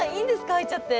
入っちゃって。